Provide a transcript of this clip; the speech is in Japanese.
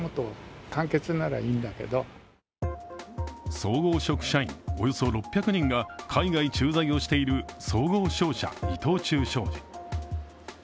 総合職社員およそ６００人が海外駐在をしている総合商社伊藤忠商事。